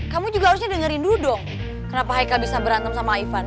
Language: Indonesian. kamu juga harusnya dengerin dulu dong kenapa haika bisa berantem sama ivan